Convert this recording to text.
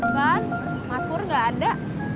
kan mas pur gak ada